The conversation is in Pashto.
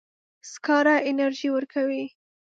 سکاره انرژي ورکوي.